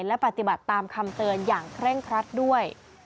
และปฏิบัติตามคำเตือนอย่างเคร่งครัดด้วย